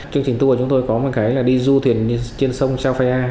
chương trình tour chúng tôi có một cái là đi du thuyền trên sông chao phae a